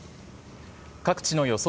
各地の予想